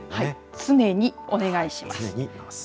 常にお願いします。